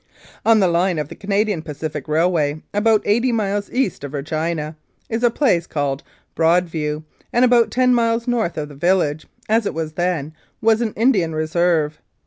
On the line of the Canadian Pacific Railway, about eighty miles east of Regina, is a place called Broad view, and about ten miles north of the village, as it was then, was an Indian Reserve.